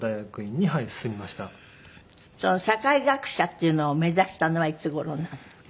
社会学者っていうのを目指したのはいつ頃なんですか？